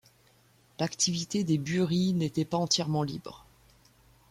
L'activité des bueries n'était pas entièrement libre.